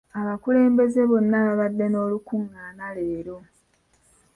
Abakulembeze bonna babadde n'olukungaana leero.